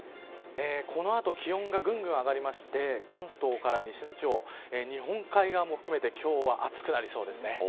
この後気温がぐんぐん上がりまして関東から西の地方日本海側を含めて今日は暑くなりそうです。